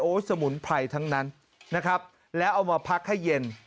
สมุนไพรทั้งนั้นนะครับแล้วเอามาพักให้เย็น